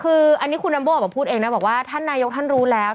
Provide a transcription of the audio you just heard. คืออันนี้คุณนัมโบออกมาพูดเองนะบอกว่าท่านนายกท่านรู้แล้ว